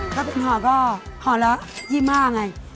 ถ้าเป็นห่อก็ห่อละ๒๕ไง